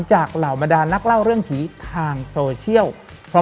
เหล่าบรรดานนักเล่าเรื่องผีทางโซเชียล